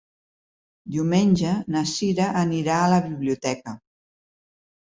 Diumenge na Sira anirà a la biblioteca.